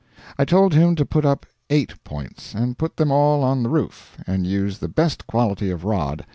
I told him to put up eight "points," and put them all on the roof, and use the best quality of rod.